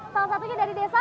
salah satunya dari desa